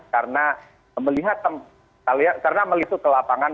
karena melihat tempat karena melihat ke lapangan